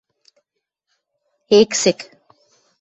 Эксӹк...